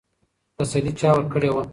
تسلي چا ورکړې وه؟